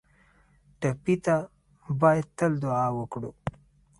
ټپي ته باید تل دعا وکړو